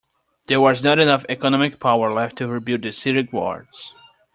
There was not enough economic power left to rebuild the city guards.